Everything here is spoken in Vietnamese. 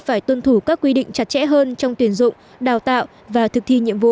phải tuân thủ các quy định chặt chẽ hơn trong tuyển dụng đào tạo và thực thi nhiệm vụ